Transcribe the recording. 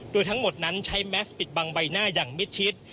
โดยทั้งหมดนั้นใช้แมสปิดบังใบหน้าอย่างมิดชิด